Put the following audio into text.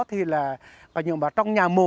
thì là trong nhà mồ